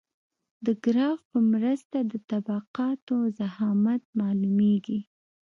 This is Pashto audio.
د ګراف په مرسته د طبقاتو ضخامت معلومیږي